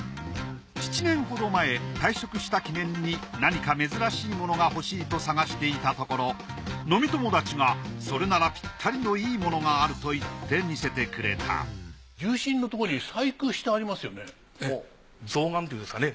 ７年ほど前退職した記念に何か珍しいものがほしいと探していたところ飲み友達がそれならピッタリのいいものがあると言って見せてくれた象嵌っていうんですかね